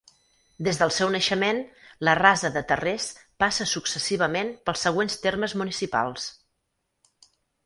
Des del seu naixement, la Rasa de Terrers passa successivament pels següents termes municipals.